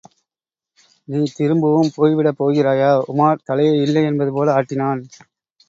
நீ திரும்பவும் போய்விடப் போகிறாயா? உமார் தலையை இல்லை என்பது போல ஆட்டினான்.